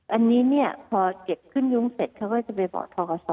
อันนี้เนี่ยพอเก็บขึ้นยุ้งเสร็จเขาก็จะไปบอกทกศ